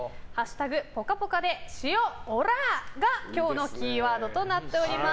ぽかぽかで塩おらぁ」が今日のキーワードとなっております。